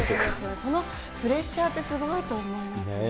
そのプレッシャーってすごいと思いますね。